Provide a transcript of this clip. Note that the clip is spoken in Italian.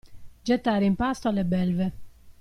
Gettare in pasto alle belve.